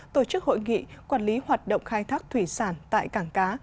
tổ chức hội nghị quản lý hoạt động khai thác thủy sản tại cảng cá